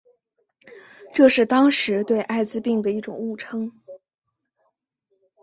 这是当时对艾滋病的一种误称。